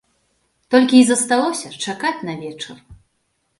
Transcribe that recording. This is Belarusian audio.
Толькі й засталося чакаць на вечар.